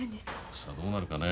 さあどうなるかね。